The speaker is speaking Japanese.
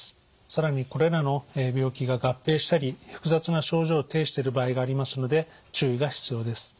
更にこれらの病気が合併したり複雑な症状を呈している場合がありますので注意が必要です。